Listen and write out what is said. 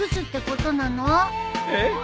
えっ？